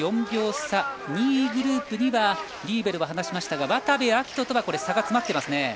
４４秒差２位グループにはリーベルは離しましたが渡部暁斗とは差が詰まっています。